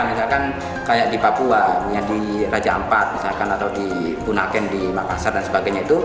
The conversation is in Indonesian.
misalkan di papua di raja ampat di punakeng di makassar dan sebagainya